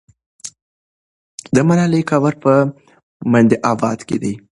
د ملالۍ قبر په منډآباد کې دی.